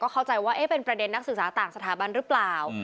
เข้าใจว่าเป็นประเด็นนักศึกษาต่างสถาบันหรือเปล่า